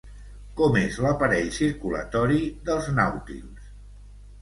Com és l'aparell circulatori dels nàutils?